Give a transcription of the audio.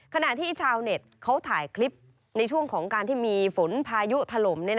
ขณะที่ชาวเน็ตเขาถ่ายคลิปในช่วงของการที่มีฝนพายุถล่ม